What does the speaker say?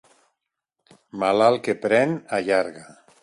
Malalt que pren, allarga.